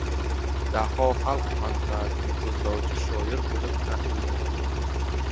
Daho xalq manfaatini ko‘zlovchi shoir bo‘lib tanildi!